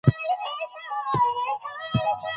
تنوع د افغانستان د شنو سیمو ښکلا ده.